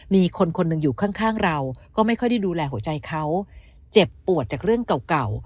มีคนคนหนึ่งอยู่ข้างเราก็ไม่ค่อยได้ดูแลหัวใจเขาเจ็บปวดจากเรื่องเก่า